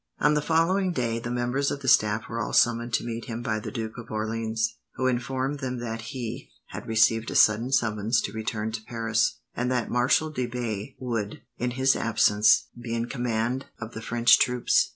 On the following day, the members of the staff were all summoned to meet him by the Duke of Orleans, who informed them that he had received a sudden summons to return to Paris, and that Marshal de Bay would, in his absence, be in command of the French troops.